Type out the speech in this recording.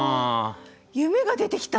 夢が出てきた。